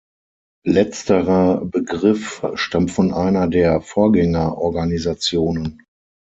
Letzterer Begriff stammt von einer der Vorgängerorganisationen.